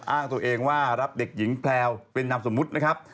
อ้างตัวเองว่ารับเด็กหญิงแพลวเป็นนามสมมุตินะครับ